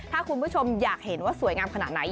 ถ้าคุณผู้ชมอยากเห็นว่าสวยงามขนาดไหน